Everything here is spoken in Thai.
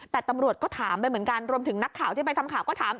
แต่ตำรวจก็ถามไปเหมือนกันรวมถึงนักข่าวที่ไปทำข่าวก็ถาม